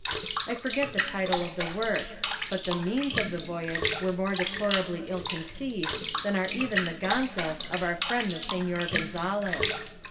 I forget the title of the work; but the means of the voyage are more deplorably ill conceived than are even the ganzas of our friend the Signor Gonzales.